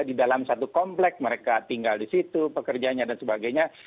di dalam satu komplek mereka tinggal di situ pekerjanya dan sebagainya